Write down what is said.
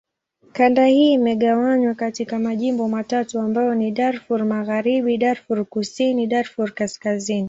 Kanda hii imegawanywa katika majimbo matatu ambayo ni: Darfur Magharibi, Darfur Kusini, Darfur Kaskazini.